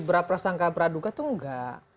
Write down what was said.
berprasangka praduga itu nggak